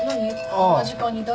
こんな時間に誰？